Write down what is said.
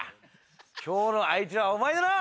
今日の相手はお前だな？